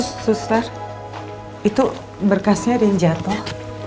s susar itu berkasnya ada yang jatuh